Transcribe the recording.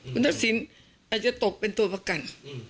คุณทักษิณอาจจะตกเป็นตัวประกัน